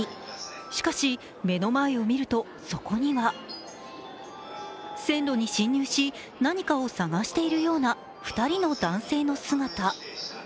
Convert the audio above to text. しかし、目の前を見るとそこには線路に侵入し、何かを探しているような２人の男性の姿。